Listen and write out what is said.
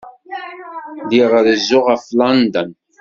Lliɣ rezzuɣ ɣef London.